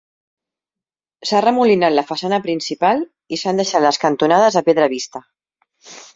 S'ha remolinat la façana principal i s'han deixat les cantonades a pedra vista.